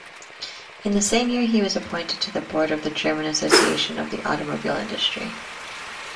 In the same year he was appointed to the board of the German Association of the Automobile Industry.